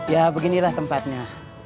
ya beginilah tempatnya